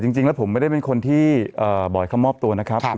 จริงแล้วผมไม่ได้เป็นคนที่บอกให้เขามอบตัวนะครับ